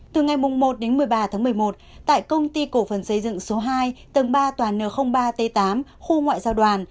từ ngày một đến một mươi ba tháng một mươi một tại công ty cổ phần xây dựng số hai tầng ba tòa n ba t tám khu ngoại giao đoàn